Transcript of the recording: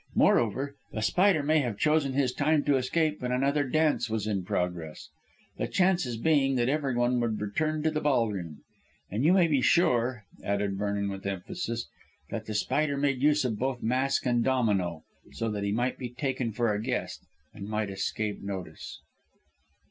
Moreover, The Spider may have chosen his time to escape when another dance was in progress, the chances being that everyone would return to the ballroom. And you may be sure," added Vernon with emphasis, "that The Spider made use both of mask and domino, so that he might be taken for a guest, and might escape notice."